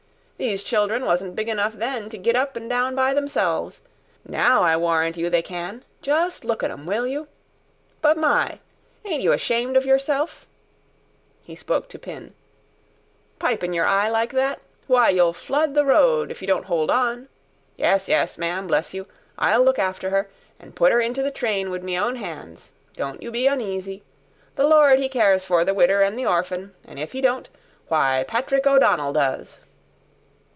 These children wasn't big enough then to git up and down be thimselves. Now I warrant you they can just look at 'em, will you? But my! Ain't you ashamed of yourself" he spoke to Pin "pipin' your eye like that? Why, you'll flood the road if you don't hould on. Yes, yes, ma'am, bless you, I'll look after her, and put her inter the train wid me own han's. Don't you be oneasy. The Lord he cares for the widder and the orphun, and if He don't, why Patrick O'Donnell does."